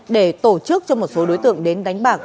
để tổ chức cho một số đối tượng đến đánh bạc